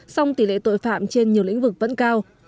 song tỷ lệ tội phạm trên nhiều lĩnh vực vẫn cao